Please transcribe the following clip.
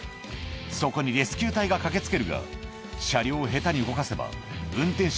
そこにレスキュー隊が駆け付けるが車両を下手に動かせば運転手